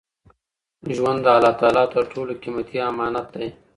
ژوند د الله تعالی تر ټولو قیمتي امانت دی.